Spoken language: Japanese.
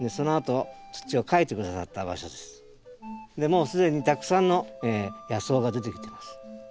もう既にたくさんの野草が出てきてます。